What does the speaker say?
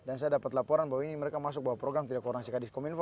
dan saya dapat laporan bahwa ini mereka masuk program tidak koronasi kdiskominfo